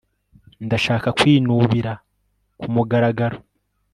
Ndashaka kwinubira kumugaragaro